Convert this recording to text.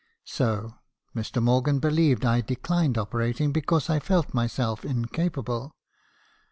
"So! Mr. Morgan believed I declined operating because 1 felt myself incapable.